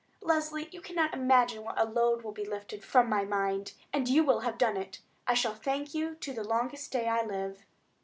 Leslie, you cannot imagine what a load will be lifted from my mind, and you will have done it. I shall thank you to the longest day I live."